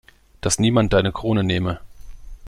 Dass niemand deine Krone nehme.